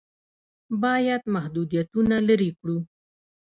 باید محدودیتونه لرې کړو.